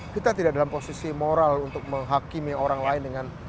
kita tidak dalam posisi moral untuk menghakimi orang lain dengan